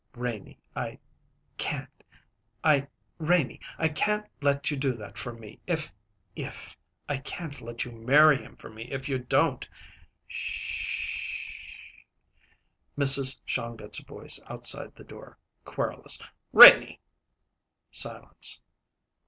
"Renie, I can't! I Renie, I can't let you do that for me if if I can't let you marry him for me if you don't " "'Sh h h!" Mrs. Shongut's voice outside the door, querulous: "Renie!" Silence.